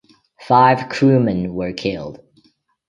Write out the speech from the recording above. Five crewmen were killed.